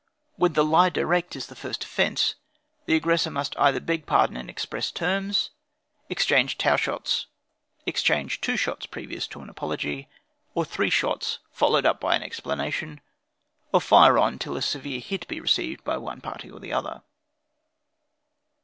When the lie direct is the first offence, the aggressor must either beg pardon in express terms; exchange tow shots previous to apology; or three shots followed up by explanation; or fire on till a severe hit be received by one party or the other.